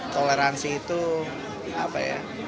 toleransi itu apa ya